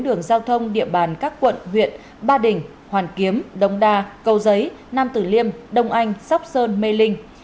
đường giao thông địa bàn các quận huyện ba đình hoàn kiếm đông đa cầu giấy nam tử liêm đông anh sóc sơn mê linh